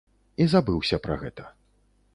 І забыўся пра гэта.